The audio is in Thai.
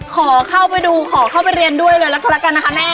ขอเข้าไปดูขอเข้าไปเรียนด้วยเลยแล้วก็ละกันนะคะแม่